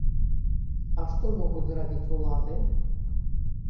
А што могуць зрабіць улады?